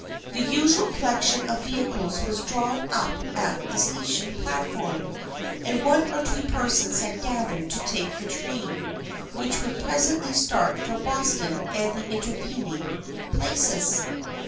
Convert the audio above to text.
The usual collection of vehicles was drawn up at the station platform, and one or two persons had gathered to take the train which would presently start for Bos ton and the intervening places.